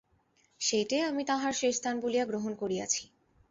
সেইটেই আমি তাঁহার শেষদান বলিয়া গ্রহণ করিয়াছি।